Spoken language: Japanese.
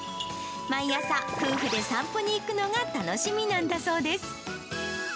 毎朝、夫婦で散歩に行くのが楽しみなんだそうです。